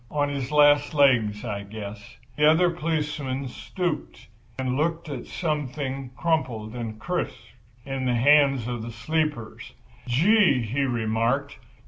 On his last legs, I guess." The other policeman stooped and looked at something crumpled and crisp in the hand of the sleeper. "Gee!" he remarked.